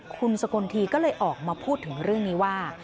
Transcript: คุณสกลทีก็เลยออกมาพูดถึงเรื่องนี้ว่า